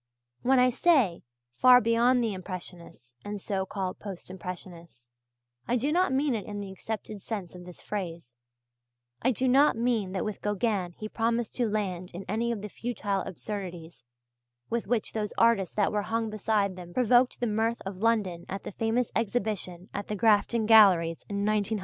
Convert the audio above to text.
And when I say "far beyond the impressionists and so called post impressionists," I do not mean it in the accepted sense of this phrase, I do not mean that with Gauguin he promised to land in any of the futile absurdities with which those artists that were hung beside them provoked the mirth of London at the famous exhibition at the Grafton Galleries in 1910 1911.